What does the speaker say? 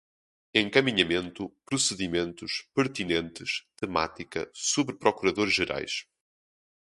encaminhamento, procedimentos, pertinentes, temática, subprocuradores-gerais